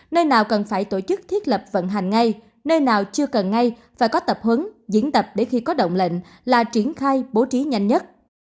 nơi nào cần phải tổ chức thiết lập vận hành ngay nơi nào chưa cần ngay phải có tập huấn diễn tập để khi có động lệnh là triển khai bố trí nhanh nhất